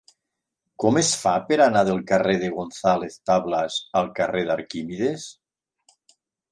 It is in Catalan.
Com es fa per anar del carrer de González Tablas al carrer d'Arquímedes?